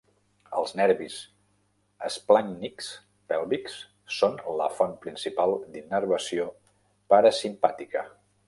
Els nervis esplàncnics pèlvics són la font principal d'innervació parasimpàtica.